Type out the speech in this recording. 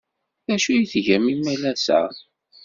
D acu ay tgam imalas-a?